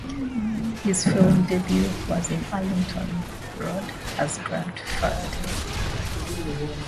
His film debut was in "Arlington Road" as Grant Faraday.